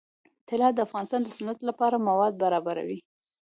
طلا د افغانستان د صنعت لپاره مواد برابروي.